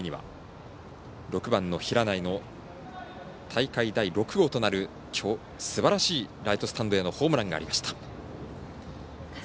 ４回には６番の平内の大会第６号となる、すばらしいライトスタンドへのホームランがありました。